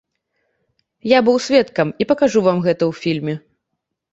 Я быў сведкам і пакажу вам гэта ў фільме.